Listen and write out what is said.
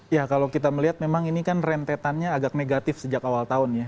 ya kalau kita melihat memang ini kan rentetannya agak negatif sejak awal tahun ya